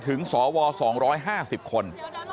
แสดงสัญลักษณ์ไปถึงสว๒๕๐คน